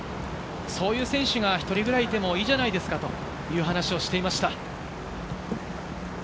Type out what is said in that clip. そういう選手が１人くらいてもいいじゃないですかと話をしていました。